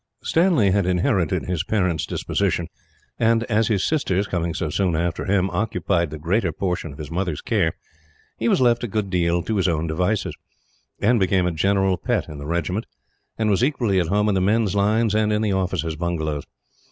Stanley had inherited his parents' disposition and, as his sisters, coming so soon after him, occupied the greater portion of his mother's care, he was left a good deal to his own devices; and became a general pet in the regiment, and was equally at home in the men's lines and in the officers' bungalows.